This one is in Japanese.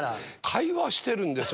会話してるんです